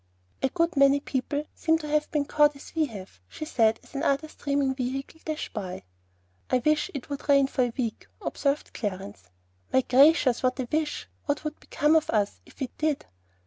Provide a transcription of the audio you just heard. "A good many people seem to have been caught as we have," she said, as another streaming vehicle dashed by. "I wish it would rain for a week," observed Clarence. "My gracious, what a wish! What would become of us if it did?"